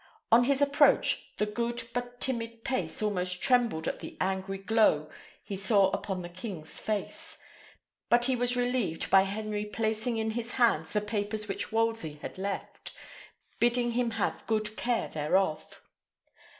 On his approach, the good but timid Pace almost trembled at the angry glow he saw upon the king's face; but he was relieved by Henry placing in his hands the papers which Wolsey had left, bidding him have good care thereof.